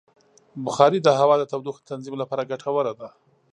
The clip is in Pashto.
بخاري د هوا د تودوخې د تنظیم لپاره ګټوره ده.